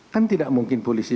kan tidak mungkin polisi